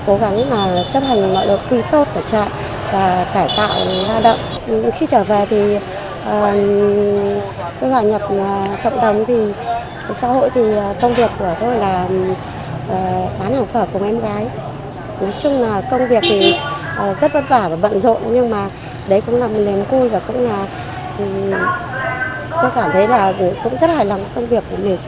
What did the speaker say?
nói chung là công việc thì rất vất vả và bận rộn nhưng mà đấy cũng là một nền côi và tôi cảm thấy là cũng rất hài lòng công việc của mình khi trở về